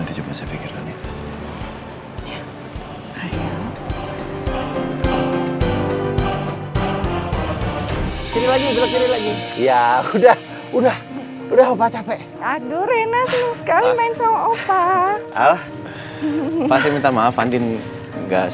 karena dia masih yang funz kung